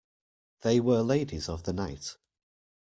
They were ladies of the night.